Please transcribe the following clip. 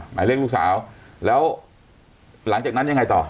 หมายเลขลูกสาวแล้วหลังจากนั้นยังไงต่อ